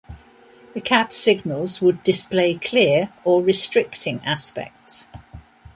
The cab signals would display "Clear" or "Restricting" aspects.